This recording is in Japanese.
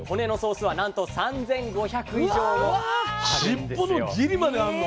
尻尾のギリまであんの？